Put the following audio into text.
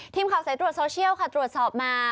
ทีมข่าวสายตรวจโซเชียลค่ะตรวจสอบมา